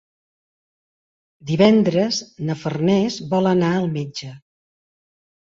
Divendres na Farners vol anar al metge.